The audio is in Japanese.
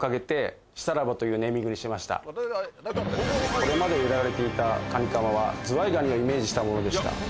これまで売られていたカニカマはズワイガニをイメージしたものでした。